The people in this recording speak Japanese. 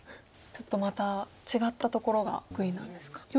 ちょっとまた違ったところが得意なんですか。